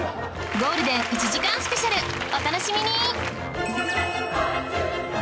ゴールデン１時間スペシャルお楽しみに！